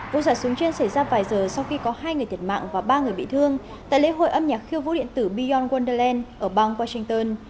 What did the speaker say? vụ xả súng trên xảy ra vài giờ sau khi có hai người thiệt mạng và ba người bị thương tại lễ hội âm nhạc khiêu vũ điện tử bion wanerland ở bang washington